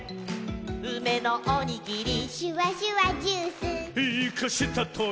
「うめのおにぎり」「シュワシュワジュース」「イカしたトゲ」